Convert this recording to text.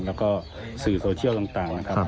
แล้วก็สื่อโซเชียลต่างนะครับ